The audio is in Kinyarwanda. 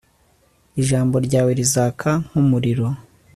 ijambo ryawe rizaka nk umuriro